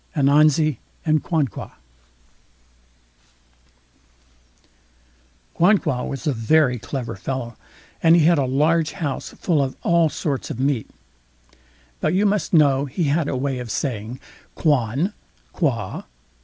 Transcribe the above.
ANANZI AND QUANQUA Quanqua was a very clever fellow, and he had a large house full of all sorts of meat. But you must know he had a way of saying _Quan? qua?